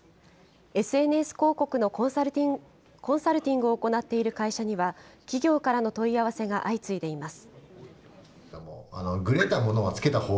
ＳＮＳ広告のコンサルティングを行っている会社には、企業からの問い合わせが相次いでいます。